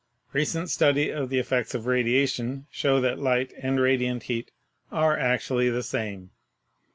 Re cent study of the effects of radiation show that light and radiant heat are actually the same.